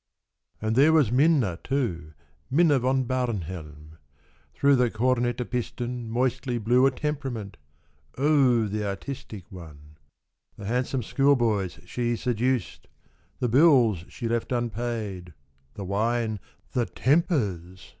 (And there was Minna, too, Minna von Barnhelm : Through the kornetapiston moistly blew A temperament — oh ! the artistic one. The handsome schoolboys she seduced ! the bills She left unpaid ! the wine ! the tempers